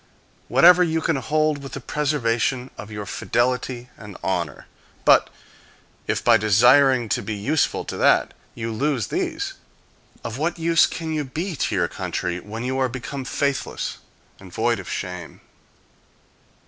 Whatever you can hold with the preservation of your fidelity and honor. But if, by desiring to be useful to that, you lose these, of what use can you be to your country when you are become faithless and void of shame.